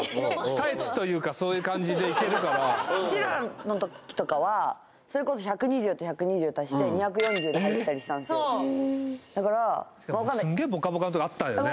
タイツというかそういう感じでいけるからうちらのときとかはそれこそ１２０と１２０足して２４０ではいてたりしたんですよだからすっげえブカブカのときあったよね？